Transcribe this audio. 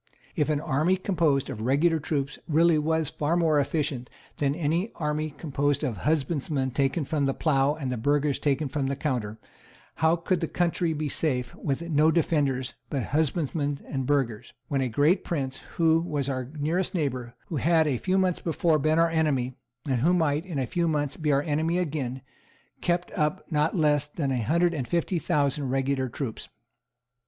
If an army composed of regular troops really was far more efficient than an army composed of husbandmen taken from the plough and burghers taken from the counter, how could the country be safe with no defenders but husbandmen and burghers, when a great prince, who was our nearest neighbour, who had a few months before been our enemy, and who might, in a few months, be our enemy again, kept up not less than a hundred and fifty thousand regular troops?